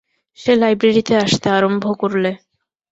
সে লাইব্রেরিতে আসতে আরম্ভ করলে।